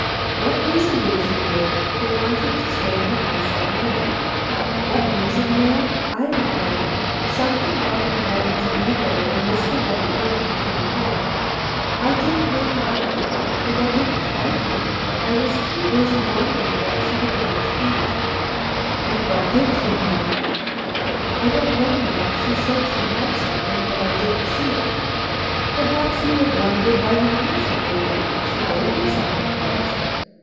"What reason did she give for wanting to stay in the house all night?" "What reason, ma'am? I don't know. Something about her having to be there when Mr. Van Burnam came home. I didn't make it out, and I didn't try to. I was too busy wondering what she would have to eat." "And what did she have?" "I don't know, ma'am. She said she had something, but I didn't see it." "Perhaps you were blinded by the money she gave you. She gave you some, of course?"